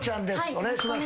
お願いします。